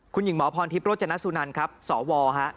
คุณหญิงหมอพรทิพย์โรจันต์ซู่นันครับสวค่ะ